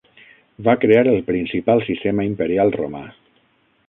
Va crear el principal sistema imperial romà.